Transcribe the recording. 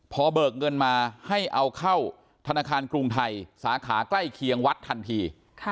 พอเบิกเงินมาให้เอาเข้าธนาคารกรุงไทยสาขาใกล้เคียงวัดทันที